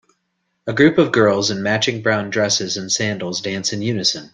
A group of girls in matching brown dresses and sandals dance in unison.